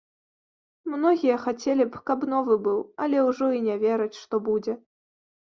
Многія, хацелі б, каб новы быў, але ўжо і не вераць, што будзе.